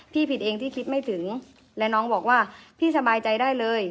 ผิดเองที่คิดไม่ถึงและน้องบอกว่าพี่สบายใจได้เลย